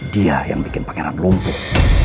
dia yang bikin pakaian lumpuh